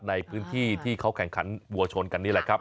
ในพื้นที่ที่เขาแข่งขันวัวชนกันนี่แหละครับ